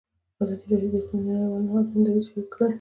ازادي راډیو د اقلیم د نړیوالو نهادونو دریځ شریک کړی.